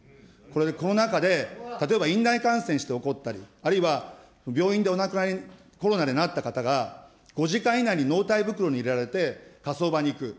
コロナ禍で例えば院内感染して起こったり、あるいは、病院で、コロナになった方が、５時間以内に納体袋に入れられて火葬場に行く。